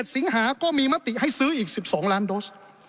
สิงหาก็มีมติให้ซื้ออีก๑๒ล้านโดส